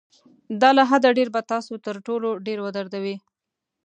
دا له حده ډېر به تاسو تر ټولو ډېر ودردوي.